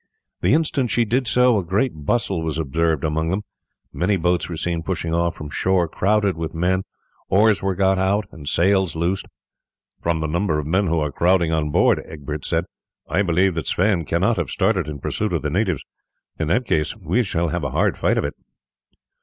The instant she did so a great bustle was observed among them. Many boats were seen pushing off from shore crowded with men, oars were got out, and sails loosed. "From the number of men who are crowding on board," Egbert said, "I believe that Sweyn cannot have started in pursuit of the natives; in that case we shall have a hard fight of it."